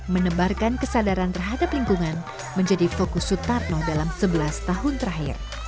menebarkan kesadaran terhadap lingkungan menjadi fokus sutarno dalam sebelas tahun terakhir